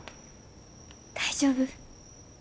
大丈夫？